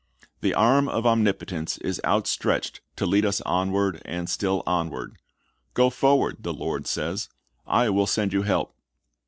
"' The arm of Omnipotence is outstretched to lead us onward and still onward. Go forward, the Lord says; I will send you help.